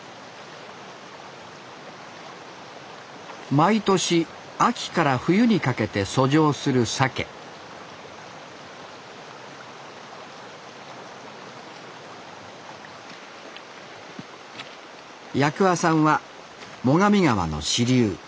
毎年秋から冬にかけて遡上する鮭八鍬さんは最上川の支流